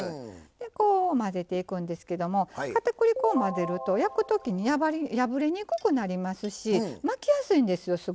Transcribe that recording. こう混ぜていくんですけどもかたくり粉を混ぜると焼く時に破れにくくなりますし巻きやすいんですよ